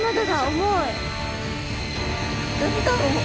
重い。